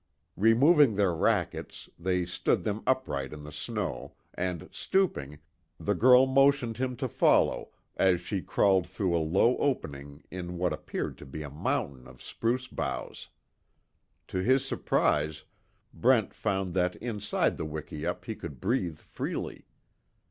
Removing their rackets, they stood them upright in the snow, and stooping, the girl motioned him to follow as she crawled through a low opening in what appeared to be a mountain of spruce boughs. To his surprise, Brent found that inside the wikiup he could breathe freely.